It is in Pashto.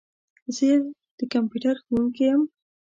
زه یو د کمپیوټر ښوونکي یم.